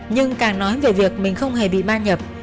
nhưng càng nói về việc mình không hề bị ban nhập